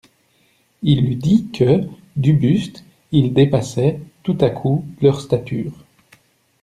Il eût dit que, du buste, il dépassait, tout-à-coup, leurs statures.